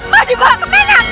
kau dibawa ke mana aku